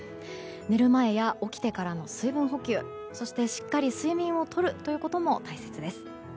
寝る前や起きてからの水分補給そして、しっかり睡眠をとることも大切です。